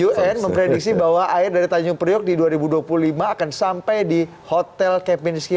un memprediksi bahwa air dari tanjung priok di dua ribu dua puluh lima akan sampai di hotel kepinski